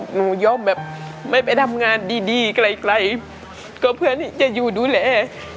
ยอมแบบไม่ไปทำงานดีไกลก็เพื่อที่จะอยู่ดูแล